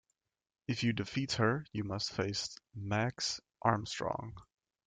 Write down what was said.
If you defeat her, you must face "Max Armstrong".